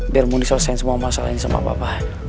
biar mau diselesaikan semua masalah ini sama bapak